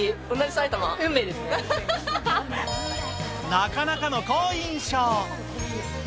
なかなかの好印象。